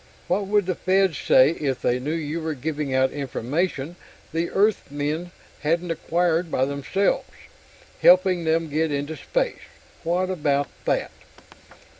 What would the Fed say if they knew you were giving out information the Earthmen hadn't acquired by themselves helping them get into space? What about that?"